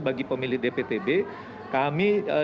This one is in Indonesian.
bagi pemilih dptb kami